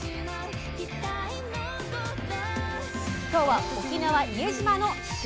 今日は沖縄伊江島の島